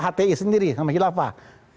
hti sendiri sama hilafah